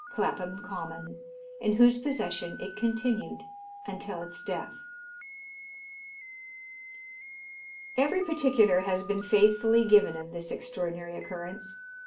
Clapham Common, in whose possession it continued until its death. Every particular has been faithfully given of this extraordinary occurrence.